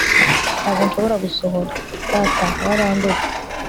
ntabwo nshobora gusohora. data, warandetse